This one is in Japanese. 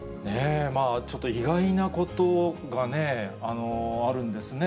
ちょっと意外なことがね、あるんですね。